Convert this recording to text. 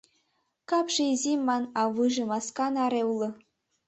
Капше изи, ман, а вийже маска наре уло!